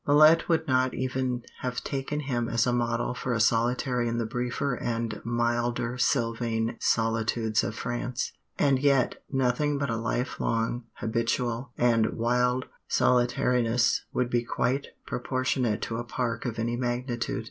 Millet would not even have taken him as a model for a solitary in the briefer and milder sylvan solitudes of France. And yet nothing but a life long, habitual, and wild solitariness would be quite proportionate to a park of any magnitude.